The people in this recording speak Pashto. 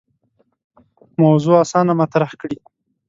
موضوع اسانه مطرح کړي.